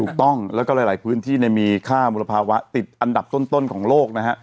ถูกต้องแล้วก็หลายพื้นที่มีค่ามลภาวะติดอันดับต้นของโลกนะฮะ